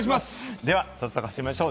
では早速始めましょう。